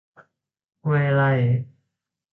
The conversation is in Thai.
ห้วยไร่